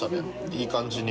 いい感じに。